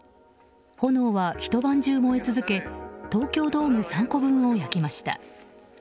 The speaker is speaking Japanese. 炎はひと晩中燃え続け東京ドーム３個分を焼きました。